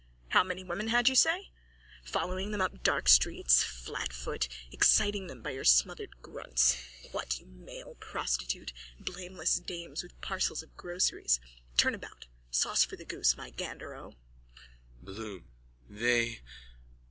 How many women had you, eh, following them up dark streets, flatfoot, exciting them by your smothered grunts, what, you male prostitute? Blameless dames with parcels of groceries. Turn about. Sauce for the goose, my gander O. BLOOM: They...